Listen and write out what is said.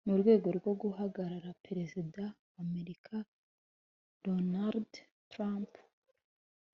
mu rwego rwo guhangara perezida wa Amerika Donald Trump